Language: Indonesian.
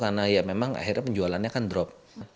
karena ya memang akhirnya penjualannya akan drop